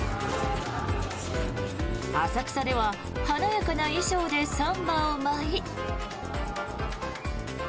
浅草では華やかな衣装でサンバを舞い。